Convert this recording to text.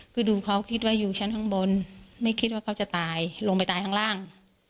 คือดูเขาคิดว่าอยู่ชั้นข้างบนไม่คิดว่าเขาจะตายลงไปตายข้างล่าง